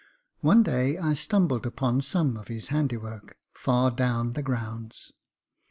One day I stumbled upon some of his handiwork far down the grounds.